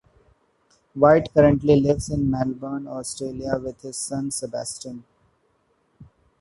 White currently lives in Melbourne, Australia with his son, Sebastian.